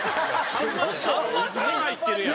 さんまさん入ってるやん。